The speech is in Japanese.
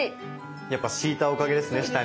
やっぱ敷いたおかげですね下に。